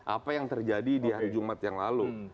apa yang terjadi di hari jumat yang lalu